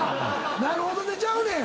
「なるほどね」ちゃうねん！